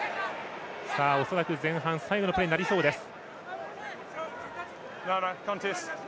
恐らく、前半最後のプレーになりそうです。